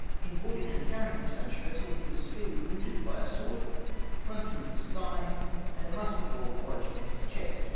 In boarding and carrying the Spanish vessel he was severely wounded by a sword, run through his thigh, and a musket ball lodged in his chest.